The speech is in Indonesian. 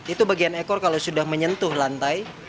itu bagian ekor kalau sudah menyentuh lantai